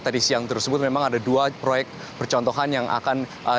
tadi siang tersebut memang ada dua proyek percontohan yang akan